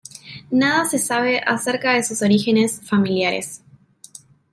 Nada se sabe acerca de sus orígenes familiares.